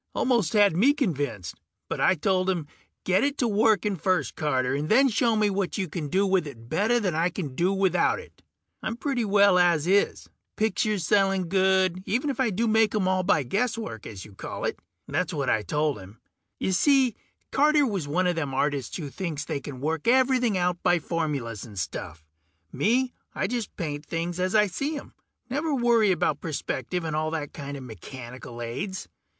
Almost had me convinced, but I told him, "Get it to working first, Carter, and then show me what you can do with it better than I can do without it. I'm doing pretty well as is ... pictures selling good, even if I do make 'em all by guesswork, as you call it." That's what I told him. Y'see, Carter was one a them artists that think they can work everything out by formulas and stuff. Me, I just paint things as I see 'em. Never worry about perspective and all that kinda mechanical aids.